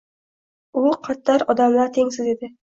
U qadar odamlar tengsiz edi.